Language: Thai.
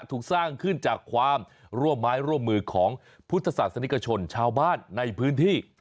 ถูกสร้างขึ้นจากความร่วมไม้ร่วมมือของพุทธศาสนิกชนชาวบ้านในพื้นที่